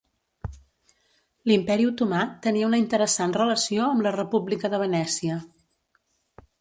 L'Imperi otomà tenia una interessant relació amb la República de Venècia.